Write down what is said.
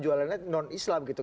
jualannya non islam gitu